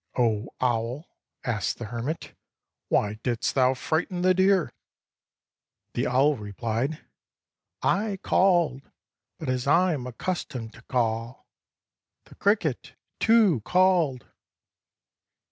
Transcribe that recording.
"O owl," asked the hermit, "why didst thou frighten the deer?" The owl repHed: " I called, but as I am accustomed to call — the cricket, too, called."